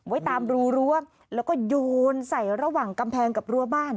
ไว้ตามรูรั้วแล้วก็โยนใส่ระหว่างกำแพงกับรั้วบ้าน